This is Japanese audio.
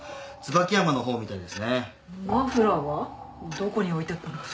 どこに置いてあったのかしら。